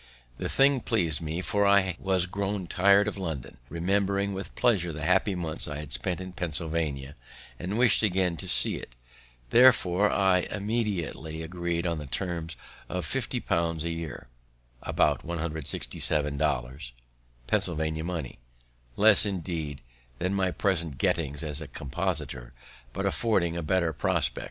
The thing pleas'd me; for I was grown tired of London, remembered with pleasure the happy months I had spent in Pennsylvania, and wish'd again to see it; therefore I immediately agreed on the terms of fifty pounds a year, Pennsylvania money; less, indeed, than my present gettings as a compositor, but affording a better prospect.